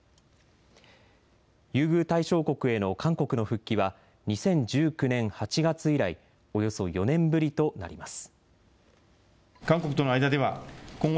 優遇対象国への韓国の復帰は、２０１９年８月以来、およそ４年ぶりとなります。